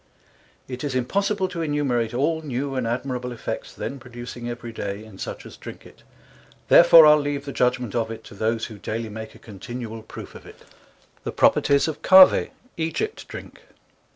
It is impossible to innumerate all new and admirable effects then producing every day in such as drink it, therefore I'le leave the Judgement of it, to those who daily make a continuall proofe of it. <<c.2>> THE PROPERTIES OF CAVEE Egipt Drink.